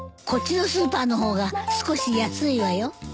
こっちのスーパーの方が少し安いわよ。